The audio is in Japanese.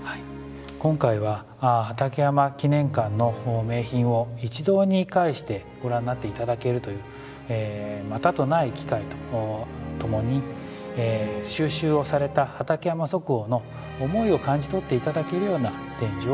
今回は畠山記念館の名品を一堂に会してご覧になっていただけるというまたとない機会とともに収集をされた畠山即翁の思いを感じ取っていただけるような展示をしております。